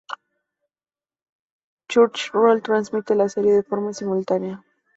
Crunchyroll transmite la serie de forma simultánea.